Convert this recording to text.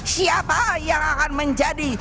siapa yang akan menjadi